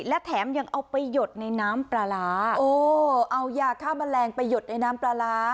และแถมยังเอาไปหยดในน้ำปลาร้าโอ้เอายาฆ่าแมลงไปหยดในน้ำปลาร้า